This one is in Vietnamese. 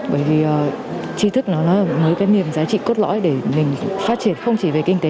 bởi vì chi thức nó là với cái niềm giá trị cốt lõi để mình phát triển không chỉ về kinh tế